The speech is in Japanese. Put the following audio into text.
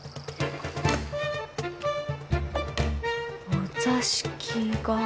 お座敷が。